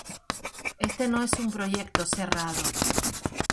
Este no es un proyecto cerrado.